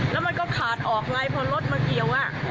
แล้วมันก็ขาดออกไงพอรถมาเกี่ยว